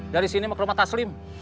dari sini mau ke rumah taslim